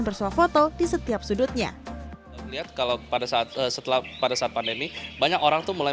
bersuah foto di setiap sudutnya lihat kalau pada saat setelah pada saat pandemi banyak orang tuh mulai